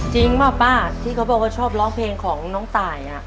ป่ะป้าที่เขาบอกว่าชอบร้องเพลงของน้องตาย